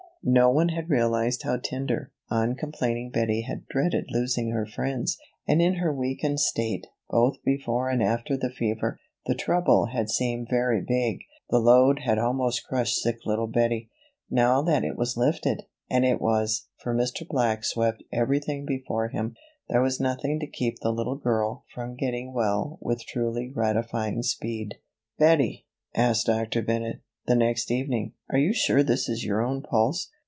No one had realized how tender, uncomplaining Bettie had dreaded losing her friends. And in her weakened state, both before and after the fever, the trouble had seemed very big. The load had almost crushed sick little Bettie. Now that it was lifted, and it was, for Mr. Black swept everything before him, there was nothing to keep the little girl from getting well with truly gratifying speed. "Bettie," asked Dr. Bennett, the next evening, "are you sure this is your own pulse?